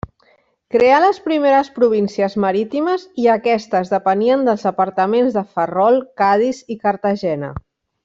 Creà les primeres províncies marítimes i aquestes depenien dels departaments de Ferrol, Cadis i Cartagena.